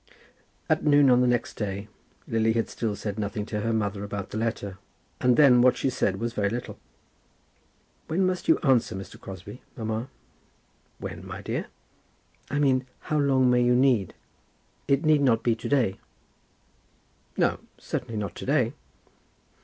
At noon on the next day Lily had still said nothing to her mother about the letter; and then what she said was very little. "When must you answer Mr. Crosbie, mamma?" "When, my dear?" "I mean how long may you take? It need not be to day." "No; certainly not to day."